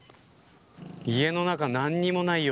家の中、何もないよ